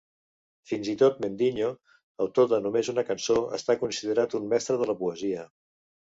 Fins i tot Mendinho, autor de només una cançó, està considerat un mestre de la poesia.